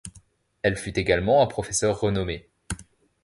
Elle fut également un professeur renommé.